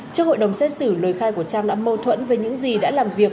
trước hội đồng xét xử lời khai của trang đã mâu thuẫn về những gì đã làm việc